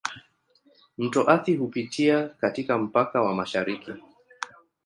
Mto Athi hupitia katika mpaka wa mashariki.